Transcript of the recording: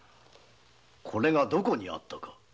これがどこにあったか。